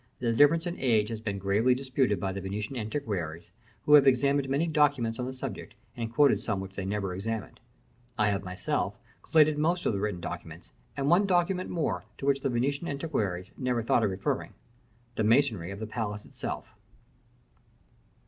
The difference in age has been gravely disputed by the Venetian antiquaries, who have examined many documents on the subject, and quoted some which they never examined. I have myself collated most of the written documents, and one document more, to which the Venetian antiquaries never thought of referring, the masonry of the palace itself.